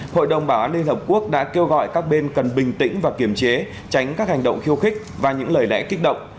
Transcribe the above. hội đồng bảo an liên hợp quốc đã kêu gọi các bên cần bình tĩnh và kiểm chế tránh các hành động khiêu khích và những lời lẽ kích động